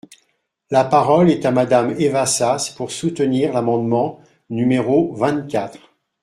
La parole est à Madame Eva Sas, pour soutenir l’amendement numéro vingt-quatre.